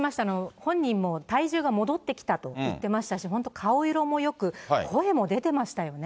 本人も体重が戻ってきたと言ってましたし、本当、顔色もよく、声も出てましたよね。